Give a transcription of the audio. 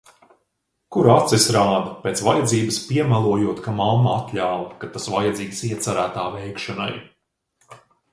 Kur acis rāda, pēc vajadzības piemelojot, ka mamma atļāva, kad tas vajadzīgs iecerētā veikšanai.